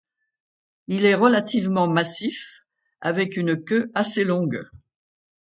Il est relativement massif, avec une queue assez longue.